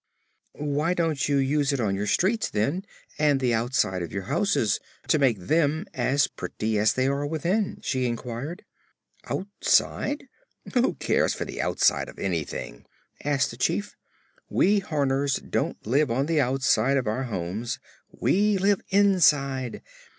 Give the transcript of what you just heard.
"Why don't you use it on your streets, then, and the outside of your houses, to make them as pretty as they are within?" she inquired. "Outside? Who cares for the outside of anything?" asked the Chief. "We Horners don't live on the outside of our homes; we live inside.